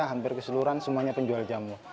hampir keseluruhan semuanya penjual jamu